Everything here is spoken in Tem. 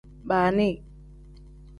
Baani.